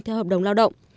theo hợp đồng lao động